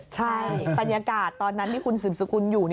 ใช่ปัญญากาศตอนนั้นที่คุณศิลป์สุขุนอยู่